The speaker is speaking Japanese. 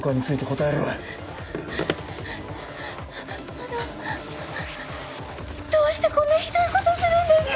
あのどうしてこんなひどいことするんですか？